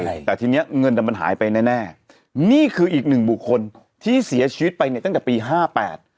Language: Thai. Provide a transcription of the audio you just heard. ใช่แต่ทีเนี้ยเงินอ่ะมันหายไปแน่แน่นี่คืออีกหนึ่งบุคคลที่เสียชีวิตไปเนี่ยตั้งแต่ปีห้าแปด